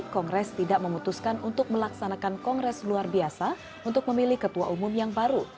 kongres tidak memutuskan untuk melaksanakan kongres luar biasa untuk memilih ketua umum yang baru